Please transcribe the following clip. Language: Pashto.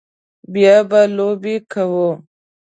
بیا به لوبې کوو